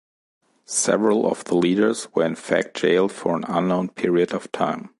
Several of the leaders were in fact jailed, for an unknown period of time.